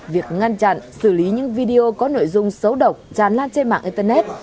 việc ngăn chặn xử lý những video có nội dung xấu độc tràn lan trên mạng internet